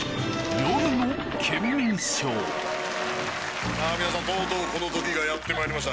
皆さんとうとうこの時がやってまいりました。